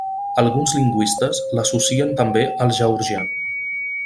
Alguns lingüistes l'associen també al georgià.